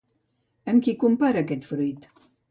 Amb qui compara aquest fruit?